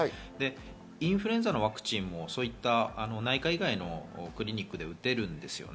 インフルエンザワクチンも内科以外のクリニックで打てるんです。